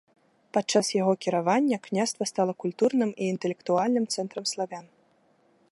Падчас яго кіравання княства стала культурным і інтэлектуальным цэнтрам славян.